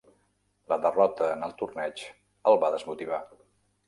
La derrota en el torneig el va desmotivar.